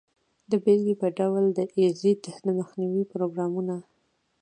د بیلګې په ډول د ایډز د مخنیوي پروګرامونه.